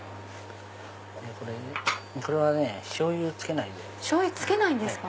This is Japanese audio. これはしょうゆつけないで。